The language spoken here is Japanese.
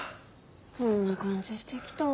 そんな感じしてきた。